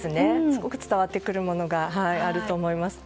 すごく伝わってくるものがあると思います。